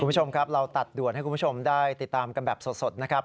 คุณผู้ชมครับเราตัดด่วนให้คุณผู้ชมได้ติดตามกันแบบสดนะครับ